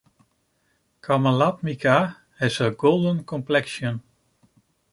Kamalatmika has a golden complexion.